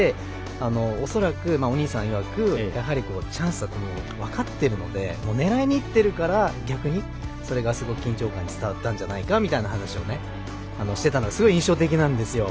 恐らく、お兄さんいわくチャンスだと分かってるので狙いにいってるから逆に、それがすごい緊張感伝わったんじゃないかなって話をしてたのがすごい印象的なんですよ。